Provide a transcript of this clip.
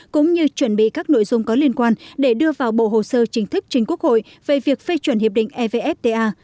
cũng như chuẩn bị các nội dung có liên quan để đưa vào bộ hồ sơ chính thức chính quốc hội về việc phê chuẩn hiệp định evfta